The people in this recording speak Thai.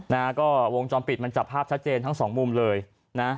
นะฮะก็วงจรปิดมันจับภาพชัดเจนทั้งสองมุมเลยนะ